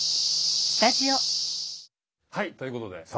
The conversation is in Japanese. はいということで。